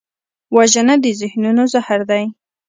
وژنه د ذهنونو زهر دی